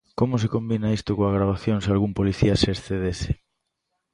Como se combina isto coa gravación se algún policía se excedese?